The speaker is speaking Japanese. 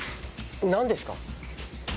何ですか？